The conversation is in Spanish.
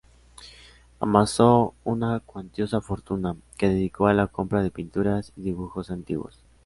Amasó una cuantiosa fortuna, que dedicó a la compra de pinturas y dibujos antiguos.